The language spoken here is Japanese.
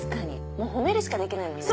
もう褒めるしかできないもんね。